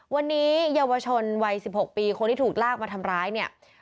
วันนี้เยาวชนวัย๑๖ปีคนที่ถูกลากมาทำร้ายเนี่ย